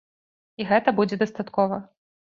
І гэта будзе дастаткова.